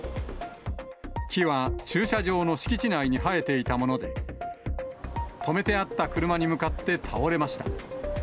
木は駐車場の敷地内に生えていたもので、止めてあった車に向かって倒れました。